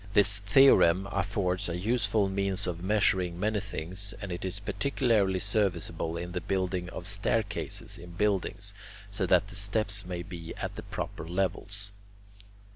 This theorem affords a useful means of measuring many things, and it is particularly serviceable in the building of staircases in buildings, so that the steps may be at the proper levels.